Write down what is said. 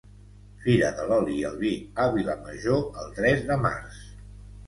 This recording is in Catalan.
Fira de l'oli i el vi a Vilamajor el tres de març